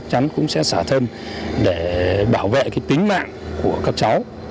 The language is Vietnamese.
chắn cũng sẽ xả thân để bảo vệ cái tính mạng của các cháu